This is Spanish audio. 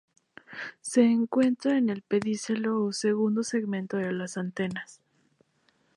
Se encuentra en el pedicelo o segundo segmento de las antenas.